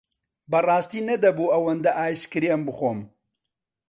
بەڕاستی نەدەبوو ئەوەندە ئایسکرێم بخۆم.